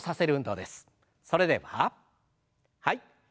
それでははい。